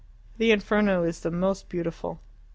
The 'Inferno' is the most beautiful."